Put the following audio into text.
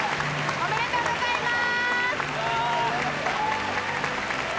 おめでとうございます。